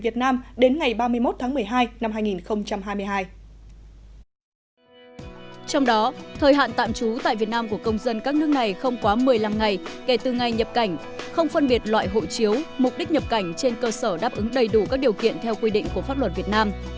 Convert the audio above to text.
trong đó thời hạn tạm trú tại việt nam của công dân các nước này không quá một mươi năm ngày kể từ ngày nhập cảnh không phân biệt loại hộ chiếu mục đích nhập cảnh trên cơ sở đáp ứng đầy đủ các điều kiện theo quy định của pháp luật việt nam